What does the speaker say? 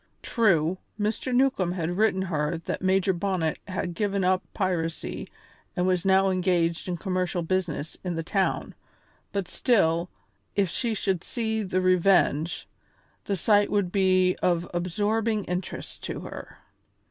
True, Mr. Newcombe had written her that Major Bonnet had given up piracy and was now engaged in commercial business in the town, but still, if she should see the Revenge, the sight would be of absorbing interest to her.